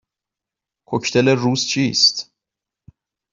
کوکتل روز چیست؟